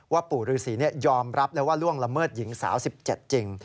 ว่าปู่รือศรีนี่ยอมรับแล้วว่าล่วงละเมิดหญิงสาว๑๗จริง